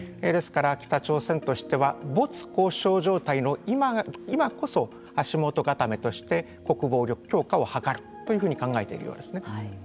ですから、北朝鮮としては没交渉状態の今こそ足元固めとして国防力強化を図るというふうに考えているようですね。